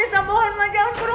kapan variance kamu